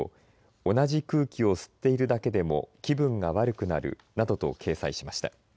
同じ空気を吸っているだけでも気分が悪くなるなどと掲載しました。